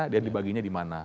dia dibaginya di mana